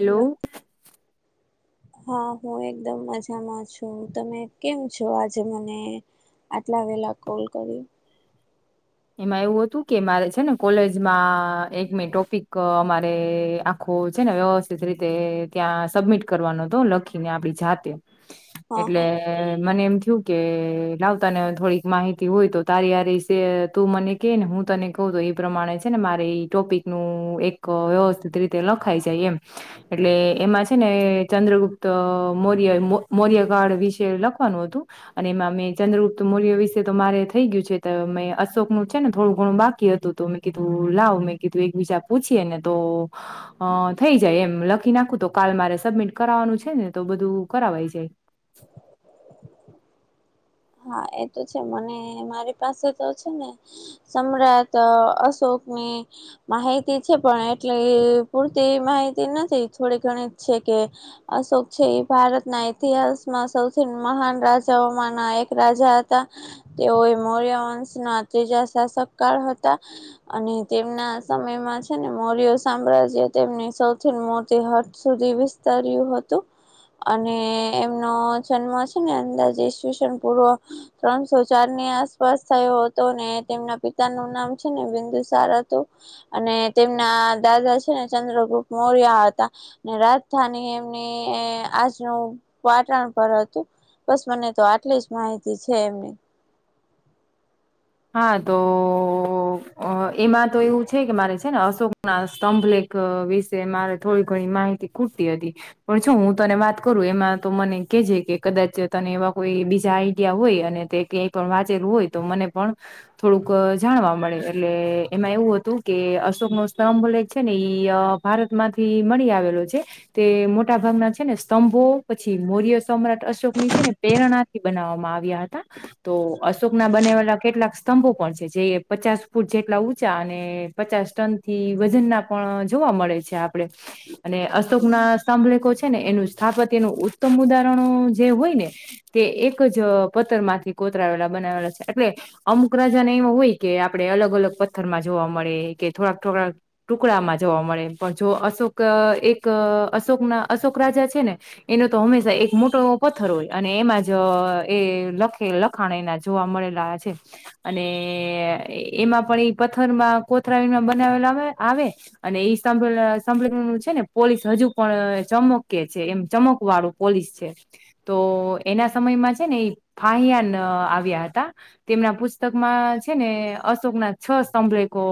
Hello [inaudible] હા હું એકદમ મજામાં છું તમે કેમ છો આજે મને આટલા વેલા કોલ કરી એવું હતું કે મારે છે ને કોલેજમાં એક ટોપિક અમારે આખો છે ને વ્યવસ્થિત રીતે ત્યાં સબમિટ કરવાનો તો લખીને આપડી જાતે હા એટલે હા મને એમ થયું કે લાવતા ને થોડીક માહિતી હોય તો તારીયારી સેર તો મને ક ને હું તને કહું તો એ પ્રમાણે છે ને મારે એ ટોપિક નું એક વ્યવસ્થિત રી તેલો ખાઈ જાય એમ એટલે એમાં છે ને ચંદ્રગુપ્ત મૌર્ય મૌર્યકાળ વિશે લખવાનું હતું. અને એમાં મેં ચંદ્રગુપ્ત મૌર્ય વિશે તો મારે થઈ ગયું છે મે શોકું છે ને થોડું ઘણું બાકી હતું તો મેં કીધું લાવ મેં કીધું એકબીજા પૂછીએ ને તો અ થઈ જાય એમ લખી નાખું તો કાલ મારે સબમિટ કરાવવાનું છે ને તો બધું કરાવાઈ જાય હા એ તો છે મને મારી પાસે તો છે ને સમ્રાટ અશોકની માહિતી છે પણ એટલે પૂરતી માહિતી નથી થોડી ઘણી છે કે અશોક છે એ ભારતના ઇતિહાસમાં સૌથી મહાન રાજાઓમાં ના એક રાજા હતા તેઓ મોરિયા વંશ ના ત્રીજા શાસકકાળ હતા. અને તેમના સમયમાં છે ને મોર્ય સામ્રાજ્ય તેમની સૌથી મોટી હદ સુધી વિસ્તાર્યું હતું અને એમનો જન્મ છે ને અંદાજે ઇસ્વીસન પૂર્વ ત્રણસો ચારની આસપાસ થયો હતો ને તેમના પિતા નું નામ છે ને બિંદુ સાર હતું. અને તેમના દાદા છે ને ચંદ્રગુપ્ત મોર્યા હતા રાજધાની એમની આજનું પાટણ પર હતું બસ મને તો આટલી જ માહિતી છે એમની હા તો એમાં તો એવું છે કે મારે છે અશોક સ્તંભ લે અ વિશે મારે થોડી ઘણી માહિતી ખુટતી હતી પણ જો હું તને વાત કરું એમાં તો મને કે છેે કે કદાચ તને એવા કોઈ બીજા આઈડિયા હોય અને તે એ પણ વાંચેલું હોય તો મને પણ થોડુંક જાણવા મળે એટલે એમાં એવું હતું કે અશોકનો સ્તંભ લેખ છે ને ઈ ભારતમાંથી મળી આવેલો છે. તે મોટા ભાગના છે ને સ્તંભો પછી મૌર્ય સમ્રાટ અશોકની છે ને પ્રેરણા બનાવવામાં આવ્યા હતા તો અશોક ના બનેલા કેટલાક સ્તંભો પણ છે જે પચાસ ફૂટ જેટલા ઊંચા અને પચાસ ટન થી વજનના પણ જોવા મળે છે આપડે અને અશોકના સ્તભલેકો છે ને એનું સ્થાપત્યનું ઉત્તમ ઉદાહરણો જે હોય ને તે એક જ પથ્થરમાંથી કોતરાવેલા બનાવેલા છે એટલે અમુક રાજાને એવા હોય કે આપડે અલગ અલગ પથ્થરમાં જોવા મળે કે થોડાક થોડાક ટુકડામાં જોવા મળે પણ જો અશોક એક અશોકના અશોક રાજા છે ને એનો તો હંમેશા એક મોટો પથ્થર હોય અને એમાં જ એ લખે લખ ખાણેના જોવા મળેલા છે. અને એમાં પણ એ પથ્થરમાં કોતરાવેલ બનાવેલા આવે અને એ સ્તંભ સ્થંભ છે ને પોલીસ હજુ પણ ચમકે છે એમ ચમુકવાડુ પોલીસ છે તો એના સમયમાં છે ને એ ફાહયાન આવ્યા હતા. તેમના પુસ્તકમાં છે ને અશોકના છ સ્તંભલેખો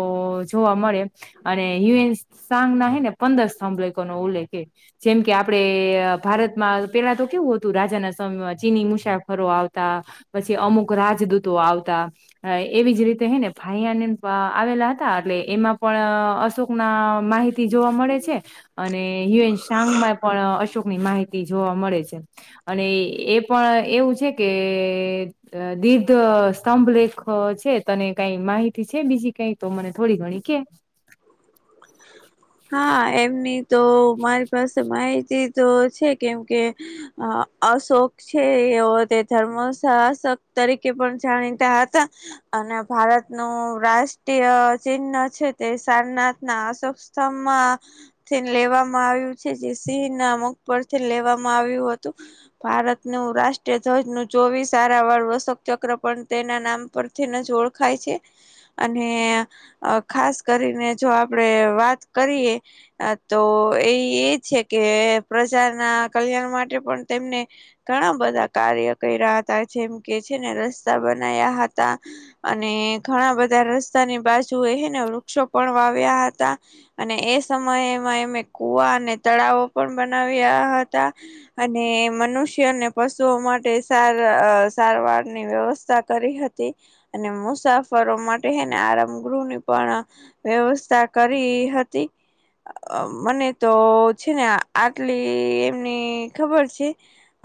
જોવા મળે અને યુ એન સાંગના હે ને પંદર સ્ભલેકો નો ઉલ્લેખ એ જેમ કે આપડે ભારતમાં પેલા તો કેવું હતું રાજાના સમયમાં ચીની મુસાફરો આવતા પછી અમુક રાજદૂતો આવતા એવી જ રીતે હે ને ફાઈયાની આવેલા હતા એટલે એમાં પણ અશોકના માહિતી જોવા મળે છે અને હયુ એન શાંગ માં પણ અશોકની માહિતી જોવા મળે છે અને એ પણ એવું છે કે દી સ્તંભલેખ છે તને કઈ માહિતી છે બીજી કઈ તો મને થોડી ઘણી કે [unintelligible] હા એમની તો મારી પાસે માહિતી તો છે કેમ કે અ અશોક છે એ તે ધર્મ શહાસક તરીકે પણ જાણીતા હતા અને ભારતનું રાષ્ટ્રીય ચિહ્ન છે તે સારનાથ ના અશોક સ્તંભમાં ચિહ્ન લેવામાં આવ્યું છે જે સિંહના મુખ પરથી લેવામાં આવ્યું હતું ભારતનું રાષ્ટ્રીય ધ્વજનું ચોવીસ સારાવાર આશોક ચક્ર પણ તેના નામ પર થીજ ઓળખાય છે અને ખાસ કરીને જો આપડે વાત કરીએ તો એ એ છે કે પ્રજાના કલ્યાણ માટે પણ તેમને ઘણા બધા કાર્ય કર્યા હતા જેમ કે છે ને રસ્તા બનાયા હતા અને ઘણા બધા રસ્તાની બાજુએ હેને વૃક્ષો પણ વાવ્યા હતા. અને એ સમયમાં એમે કુવા અને તળાવો પણ બનાવ્યા હતા. અને મનુષ્યને પશુઓ માટે સાર સારવારની વ્યવસ્થા કરી હતી અને મુસાફરો માટે હેને આરામગૃહની પણ વ્યવસ્થા કરી હતી. અ મને તો છે ને આટલી એમની ખબર છે.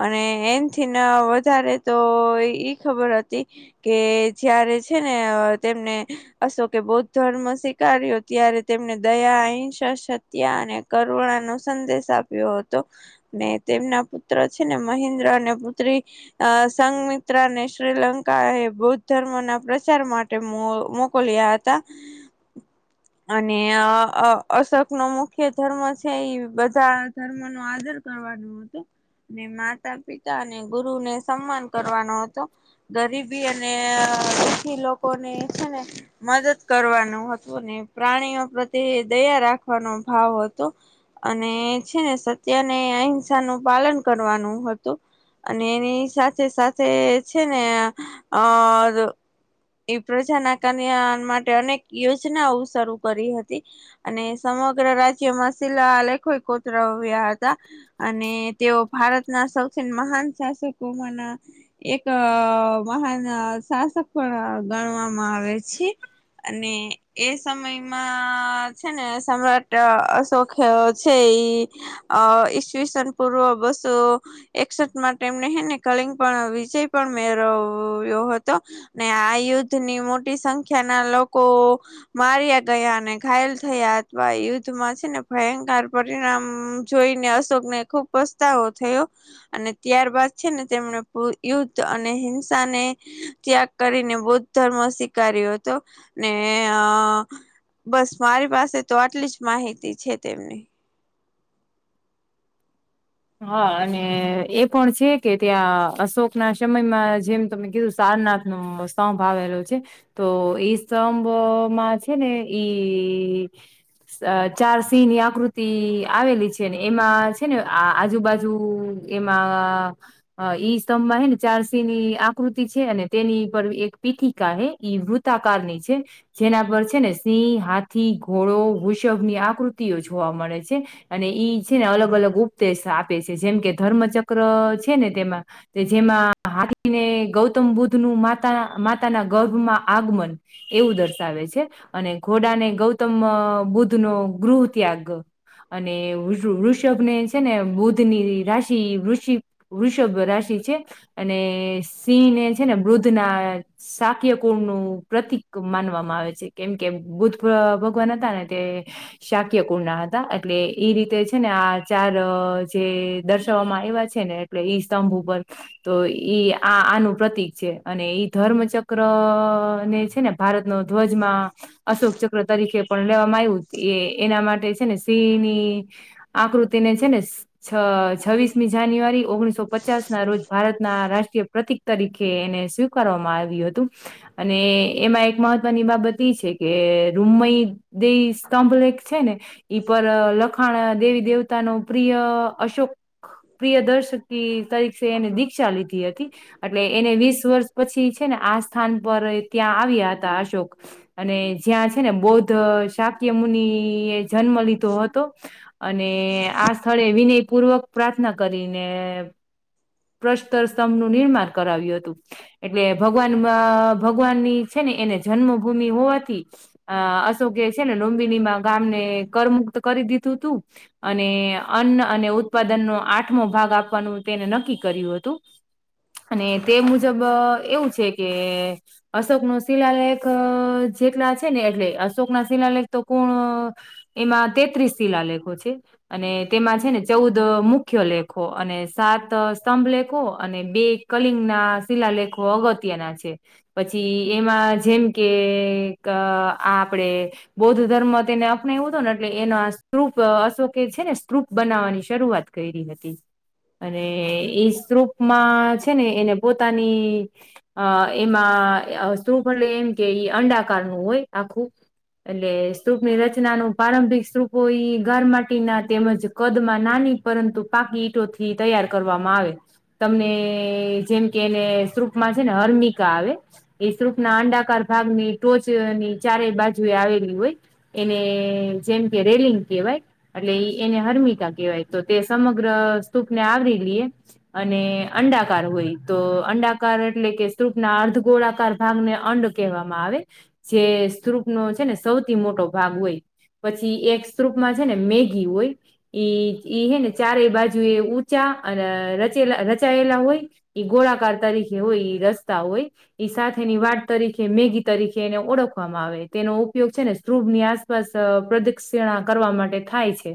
અને એનથી ના વધારે તો ઈ ખબર હતી. કે જયારે છે ને તેમને અશોકે બૌદ્ધ ધર્મ સ્વીકાર્યો ત્યારે તેમને દયા, અહિંસા, સત્યા અને કરુણા નો સંદેશ આપ્યો હતો. ને તેમના પુત્ર છે ને મહેન્દ્ર અને પુત્રી અ સંગમિત્રા ને શ્રીલંકા એ બૌદ્ધ ધર્મ ના પ્રચાર માટે મોકલ્યા હતા. તા અને અશોક નો મુખ્ય ધર્મ છે એ બધા ધર્મ નો આદર કરવાનું. ને માતા-પિતા અને ગુરુને સન્માન કરવાનો હતો. ગરીબી અને દુખી લોકો ને છે ને, મદદ કરવાનું હતું. અને પ્રાણીઓ પ્રત્યે દયા રાખવાનો ભાવ હતો. અને છે ને સત્યને, અહિંસા નું પાલન કરવાનું હતું. અને એની સાથે સાથે છે ને, ઓર એ પ્રજા ના કલ્યાણ માટે અનેક યોજ જનાઓ શરૂ કરી હતી, અને સમગ્ર રાજ્યમાં શિલા લેખકો કો તરાવ્યા હતા, અને તેઓ ભારતના સૌથી મહાન શાસકોમાંના એક મહાન શાસક પણ ગણવામાં આવે છે. અને એ સમયમાં છે ને, સમ્રાટ અશોક છે ઇ. અ ઈસવીસન પૂર્વ બસો એકસઠ માટે એમને હે ને, કલિંગ પણ વિસય પણ મેળવ્યો હતો. ને આ યુદ્ધ ની મોટી સંખ્યા ના લોકો માર્યા ગયા, અને ઘાયલ થયા, અથવા યુદ્ધમાં છે ને ભયંકર પરિણામ જોઈને અશોક ને ખુબ પસ્તાવો થયો. અને ત્યારબાદ છે ને, તેમને પુરું યુદ્ધ અને હિંસા ને ત્યાગ કરીને, બૌદ્ધ ધર્મ સ્વીકારાર્યો હતો, ને ને અ, બસ મારી પાસે તો આટલી જ માહિતી છે, તેમની. હા, અને એ પણ છે કે, ત્યાં અશોક ના સમયમાં જેમ તમે કીધું સારનાથ નો સ્તંભ આવેલો છે. તો ઈ સ્તભ માં છે ને ઈ ચાર સિંહ ની આકૃતિ આવેલી છે, ને એમાં છે ને. આજુબાજુ એમાં અ ઈ સ્તભમાં હે ને ચારસિહ ની આકૃતિ છે, અને તેની પર એક પીઠિકા હૈ, ઈ બુદ્ધ તા કાળની છે. જેના પર છે ને, સિંહ, હાથી, ઘોડો, વૃષભની આકૃતિઓ જોવા મળે છે. અને ઈ છે ને, અલગ અલગ ઉપદેશ આપે છે, જેમ કે ધર્મચક્ર છે ને, તેમાં તે જેમાં હાથીને, ગૌતમ બુદ્ધ નું માતા, માતાના ગર્ભમાં આગમન. એવું દર્શાવે છે, અને ઘોડા ને ગૌતમ બુદ્ધ નો ગૃહ ત્યાગ. અને બીજું વૃષભ નેજ છે ને, બુધ ની રાશિ વૃસિબ, વૃષભ રાશિ છે. અને સિંહને છે ને, બુદ્ધ ના સાક્યકુળ નું પ્રતિક માનવામાં આવે છે, કેમ કે બુદ્ધ ક ભગવાન હતા ને તે શાક્યકુના હતા, એટલે ઈ રીતે છે ને આજ ચાર જે દર્શાવવામાં આવવા છે ને, એટલે ઈ સ્તંભ ઉપર તો ઈ આ આનું પ્રતિક છે, અને ઈ ધર્મચક્ર ને છે ને. ભારતનો ધ્વજમાં અશોક ચક્ર તરીકે પણ લેવામાં આવ્યું, એ એ એના માટે છે ને સિંહની આકૃતિને છે ને છ છવ્વીસમી જાન્યુઆરી ઓગણીસો પચાસના રોજ, ભારતના રાષ્ટ્રીય પ્રતિક તરીકે એને સ્વીકારવામાં આવ્યું હતું. અને એમાં એક મહત્વની બાબત એ છે, કે રૂમમય દે કમ્પલેક છે ને, ઈ પર લખાણ દેવી દેવતા ન પ્રિય અશોક પ્રિય દર્શકી તરીકે એને દીક્ષા લીધી હતી. એટલે એને વીસ વર્ષ પછી છે ને આ સ્થાન પર ત્યાં આવ્યા હતા અશોક અને જ્યાં છે ને બૌદ્ધ શાક્યમુુનિએ જન્મ લીધો હતો અને આ સ્થળે વિનયપૂર્વક પ્રાર્થના કરીને પ્રશતર સ્તંભનું નિર્માણ કરાવ્યું હતું. એટલે ભગવાનમાં ભગવાનની છે ને એને જન્મભૂમિ હોવાથી અ અશોક છે ને લુંબિનીમાં ગામને કરમુક્ત કરી દીધું તું. અને અન્ન અને ઉત્પાદનનો આઠમો ભાગ આપવાનું તેને નક્કી કર્યું હતું. અને તે મુજબ એવું છે કે, અશોકનો શિલાલેખ જેટલા છે ને એટલે અશોકના શિલાલેખ તો કોણ એમાં તેત્રીસ શિલાલેખો છે. અને તેમાં છે ને ચૌદ મુખ્ય લેખો અને સાત સ્તંભલેખો અને બે કલિંગના શિલાલેખો અગત્યના છે. પછી એમાં જેમ કે ક આપડે બૌદ્ધ ધર્મ તેને અપનાવ્યું તો ને એટલે એના આ સ્તૂપ અશો કે છે ને સ્ત્રુપ બનાવવાની શરૂઆત કયરી હતી. અને ઈ સ્ત્રૂપમાં છે ને એને પોતાની અ એમાં સ્ત્રૂપ એટલે એમ કે અંડાકારનું હોય આખું એટલે સ્તૂપની રચનાનું પારંભરિક સ્તૂપો ઈ ઘર મા ટીના તેમજ કદમાં નાની પરંતુ પાકી ઈટોથી તૈયાર કરવામાં આવે. તમને જેમ કે એને સ્રૂપમાં છે ને હર્મિકા આવે એ શ્રુપના અંડાકાર ભાગની ટોચની ચારે બાજુ એ આવેલી હોય એને જેમ કે રેલિંગ કેવાય એટલે એને હર્મિકા કેહેવાય તો તે સમગ્ર સ્તૂપને આવરી લઈએ. અને અંડાકાર હોય તો અંડાકાર એટલે કે સ્તૂપના અર્ધ ગોળાકાર ભાગને અંડ કહેવામાં આવે. જે સ્ત્રૂપનો છે ને સૌથી મોટો ભાગ હોય પછી એક સ્ત્રૂપમાં છે ને મે ઘી હોય ઈ હેને ચારે બાજુ એ અને રચેલા રચાયેલા હોય, એ ગોળાકાર તરીકેે હોય એ રસ્તા હોય, ઈ સાથેની વાટ તરીકે મેઘી તરીકે એને ઓળખવામાં આવે તેનો ઉપયોગ છે ને સ્ત્રૂપની આસ પડ પ્રદક્ષિણા કરવા માટે થાય છે.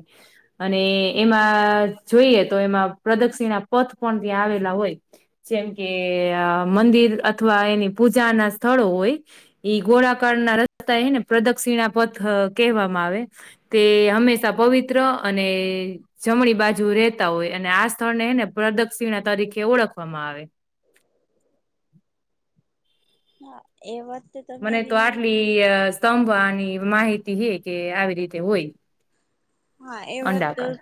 અને એમાં જોઈએ તો એમાં પ્રદક્ષિના પથ પણ ત્યાં આવેલા હોય. જેમ કે મંદિર અથવા એની પૂજાના સ્થળો હોય ઈ ગોળાકારના રસ્તા હેને પ્રદક્ષિણા પથ કહેવામાં આવે. તે હંમેશા પવિત્ર અને જમણી બાજુ રહેેતા હોય અને આ સ્થળને એને પ્રદક્ષિણા તરીકે ઓળખવામાં આવે હા એ વાત તો તમારી [unintelligible] સ્તંભવાની માહિતી હે કે આવી રીતે હોય હા એ વાત તો અંડાકાર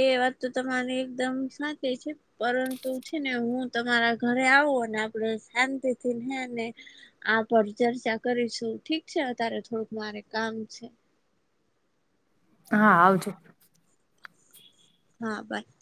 એ વાત તો તમારી એકદમ સાચી છે. પરંતુ છે ને હું તમારા ઘરે આવું અને આપડે શાંતિથી છે ને આ પર ચર્ચા કરીશું ઠીક છે અત્યારે થોડુંક મારે કામ છે. હા આવજો. હા બાય.